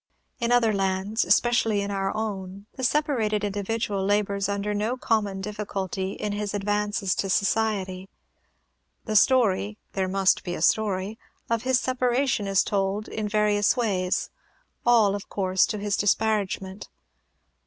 In other lands, especially in our own, the separated individual labors under no common difficulty in his advances to society. The story there must be a story of his separation is told in various ways, all, of course, to his disparagement.